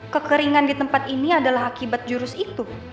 kekeringan di tempat ini adalah akibat jurus itu